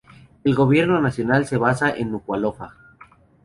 El gobierno nacional se basa en Nukualofa.